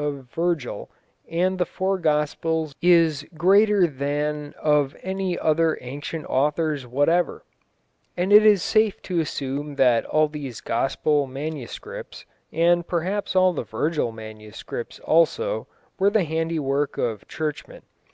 of Virgil and the four Gospels is greater than of any other ancient authors whatever," and it is safe to assume that all these Gospel MSS., and perhaps all the Virgil MSS. also, were the handiwork of churchmen.